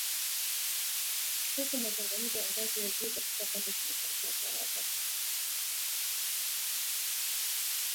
huku mazungumzo ya ngazi ya juu kati ya pande zinazozozana hayajafanikiwa